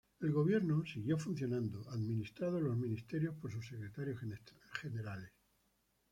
El gobierno siguió funcionando, administrados los ministerios por sus secretarios generales.